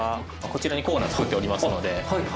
こちらにコーナー作っておりますので。